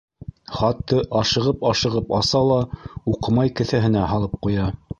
Хатты ашығып- ашығып аса ла уҡымай кеҫәһенә һалып ҡуя.